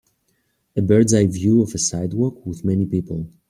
A birdseye view of a sidewalk with many people.